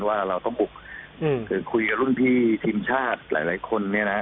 ว่าเราก็พูดคือคุยกับรุ่นพี่ทีมชาติหลายคนนี้นะ